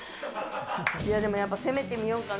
いやでも、攻めてみようかな。